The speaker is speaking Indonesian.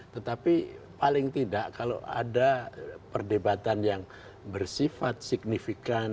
tetapi paling tidak kalau ada perdebatan yang bersifat signifikan